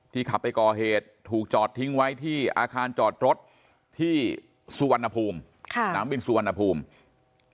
ขับไปก่อเหตุถูกจอดทิ้งไว้ที่อาคารจอดรถที่สุวรรณภูมิสนามบินสุวรรณภูมิ